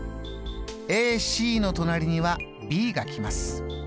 ＡＣの隣にはＢが来ます。